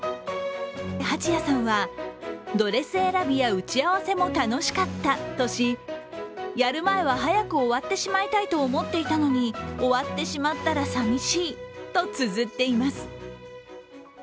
蜂谷さんはドレス選びや打ち合わせも楽しかったとしやる前は早く終わってしまいたいと思っていたのに終わってしまったらさみしいとつづっています。